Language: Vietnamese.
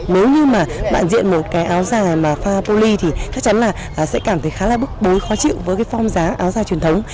nếu như mà bạn diện một cái áo dài mà pha poly thì chắc chắn là sẽ cảm thấy khá là bức bối khó chịu với cái phong giá áo dài truyền thống